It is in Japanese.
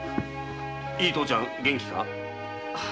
いい父ちゃん元気か？